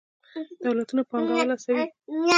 دولتونه پانګوال هڅوي.